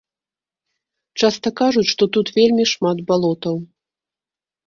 Часта кажуць, што тут вельмі шмат балотаў.